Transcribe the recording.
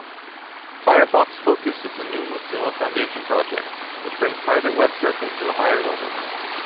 Firefox Focus is a new Mozilla Foundation project, which brings private web surfing to a higher level.